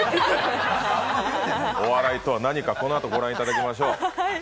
お笑いとは何かこのあと御覧いただきましょう。